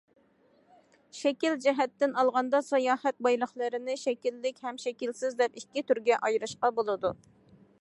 شەكىل جەھەتتىن ئالغاندا، ساياھەت بايلىقلىرىنى شەكىللىك ھەم شەكىلسىز دەپ ئىككى تۈرگە ئايرىشقا بولىدۇ.